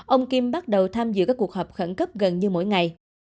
ông kim bắt đầu tham dự các cuộc họp khẩn cấp gần như mỗi ngày